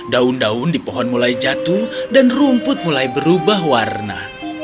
daun daun di pohon mulai jatuh dan rumput mulai berubah warna